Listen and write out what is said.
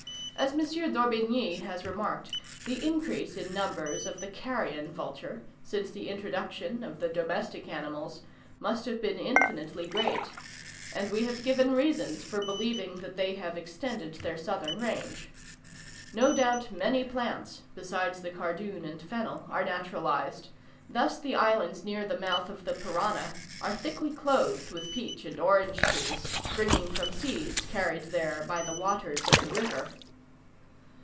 As M. d'Orbigny has remarked, the increase in numbers of the carrion vulture, since the introduction of the domestic animals, must have been infinitely great; and we have given reasons for believing that they have extended their southern range. No doubt many plants, besides the cardoon and fennel, are naturalized; thus the islands near the mouth of the Parana, are thickly clothed with peach and orange trees, springing from seeds carried there by the waters of the river.